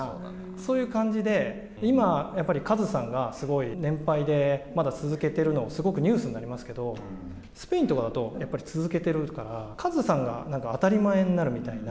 そういう感じで、今、カズさんがすごい年配で、まだ続けてるのすごくニュースになりますけど、スペインとかだとやっぱり続けているから、カズさんが当たり前になるみたいな。